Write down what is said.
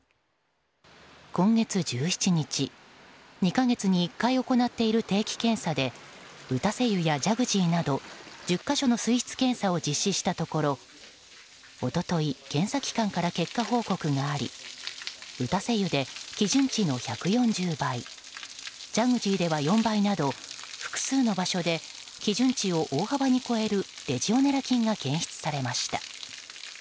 今月１７日２か月に一回行っている定期検査で打たせ湯やジャグジーなど１０か所の水質検査を実施したところ一昨日、検査機関から結果報告があり打たせ湯で基準値の１４０倍ジャグジーでは４倍など複数の場所で基準値を大幅に超えるレジオネラ菌が検出されました。